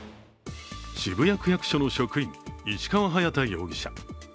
渋谷区役所の職員、石川隼大容疑者。